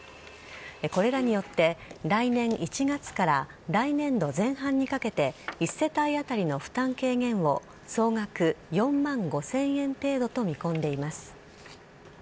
これらによって来年１月から来年度前半にかけて１世帯当たりの負担軽減を総額４万５０００円程度と見込んでいます。